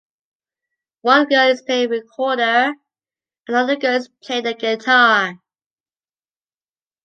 One girl is playing a recorder and other girl is playing the guitar.